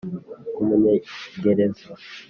ku munyegerezo